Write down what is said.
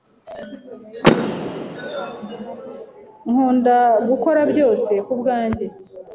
Nkunda gukora byose kubwanjye.